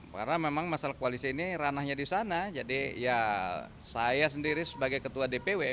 karena memang masalah kualisi ini ranahnya di sana jadi ya saya sendiri sebagai ketua dpw